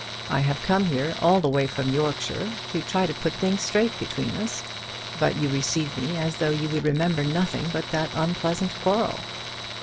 I have come here all the way from Yorkshire to try to put things straight between us; but you receive me as though you would remember nothing but that unpleasant quarrel."